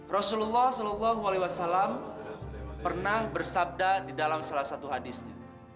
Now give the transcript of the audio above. rasulullah saw pernah bersabda di dalam salah satu hadisnya